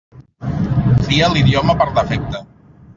Tria l'idioma per defecte.